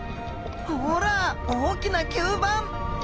ほら大きな吸盤！